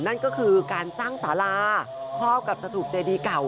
นั่นก็คือการสร้างสาราครอบกับสถุปเจดีเก่า